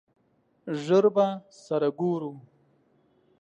ژر به سره ګورو!